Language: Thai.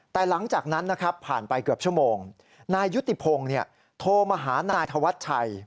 แต่หลังจากนั้นนะครับผ่านไปเกือบชั่วโมงนายยุติพงศ์โทรมาหานายธวัชชัย